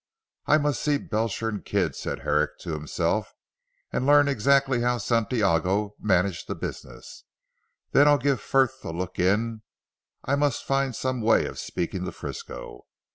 "I must see Belcher and Kidd," said Herrick to himself, "and learn exactly how Santiago managed the business. Then I'll give Frith a look in. I must find some way of speaking to Frisco.